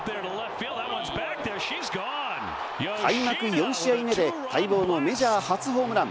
開幕４試合目で待望のメジャー初ホームラン。